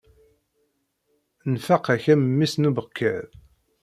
Nfaq-ak a memmi-s n ubekkaḍ.